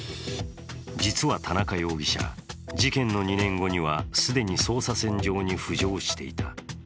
実は田中容疑者、事件の２年後には既に捜査線上に浮上していた。